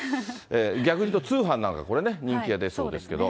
逆にいうと通販なんか、これ人気が出そうですけど。